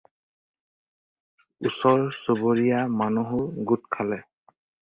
ওচৰ-চুবুৰীয়া মানুহো গোট খালে।